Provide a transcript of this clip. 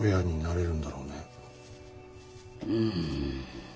うん。